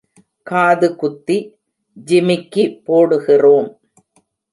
காது குத்தி ஜிமிக்கி போடுகிறோம்.